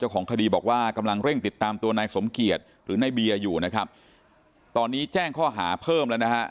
ก็ตามตัวนายสมเกียจหรือไหนนายเบียอยู่นะครับตอนนี้แจ้งข้อหาเพิ่มแล้วนะ